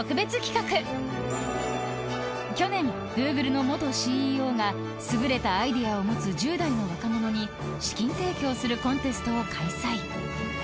［去年Ｇｏｏｇｌｅの元ＣＥＯが優れたアイデアを持つ１０代の若者に資金提供するコンテストを開催］